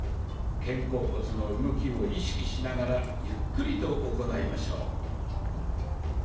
肩甲骨の動きを意識しながらゆっくりと行いましょう。